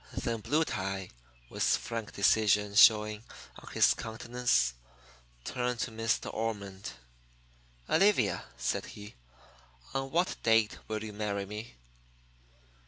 Then Blue Tie, with frank decision showing on his countenance, turned to Miss De Ormond. "Olivia," said he, "on what date will you marry me?"